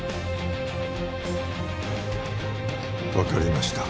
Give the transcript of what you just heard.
わかりました。